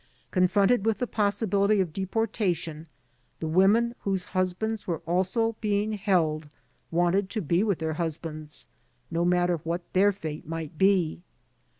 Confronted with the possibility of deportation, the women whose husbands were also being held wanted to be with their husbands, no matter what their fate might be.